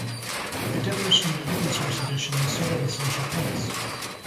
It differs from the open source edition in several essential points.